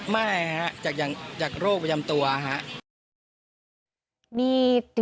ไม่ฮะจากโรคประจำตัวครับ